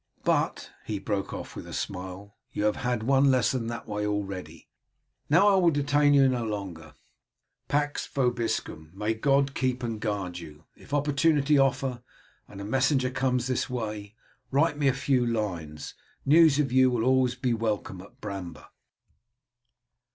But," he broke off with a smile, "you have had one lesson that way already. Now I will detain you no longer. Pax vobiscum, may God keep and guard you! If opportunity offer, and a messenger comes this way, write me a few lines; news of you will be always welcome at Bramber."